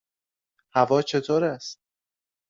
هوا چطور است؟